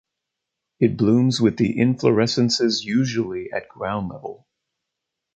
It blooms with the inflorescences usually at ground level.